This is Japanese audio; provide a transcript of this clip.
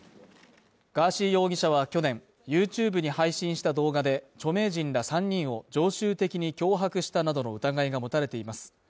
ガーシー容疑者は去年、ＹｏｕＴｕｂｅに配信した動画で、著名人ら３人を常習的に脅迫したなどの疑いが持たれています。